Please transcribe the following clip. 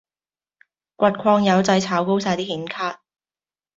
挖礦友仔炒高哂啲顯卡